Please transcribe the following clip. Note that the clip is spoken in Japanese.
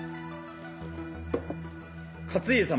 勝家様